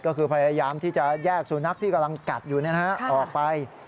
ก็คือพยายามที่จะแยกสุนัขที่กำลังกัดอยู่ออกไป